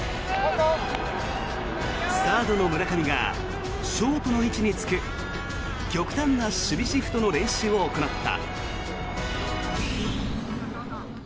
サードの村上がショートの位置につく極端な守備シフトの練習を行った。